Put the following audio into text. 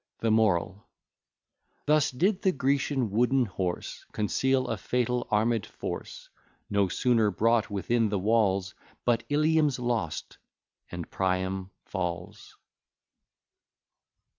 THE MORAL Thus did the Grecian wooden horse Conceal a fatal armed force: No sooner brought within the walls, But Ilium's lost, and Priam falls.